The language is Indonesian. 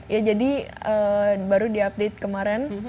ya jadi baru di update kemarin